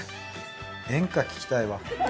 演歌聴きたいわ。